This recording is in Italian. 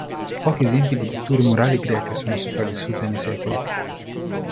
Pochi esempi di pitture murali greche sono sopravvissute nei secoli.